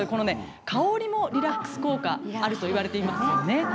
香りもリラックス効果があるといわれています。